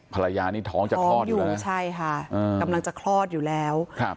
ภรรยานี่ท้องจะคลอดอยู่ใช่ค่ะกำลังจะคลอดอยู่แล้วครับ